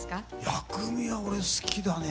薬味は俺、好きだね。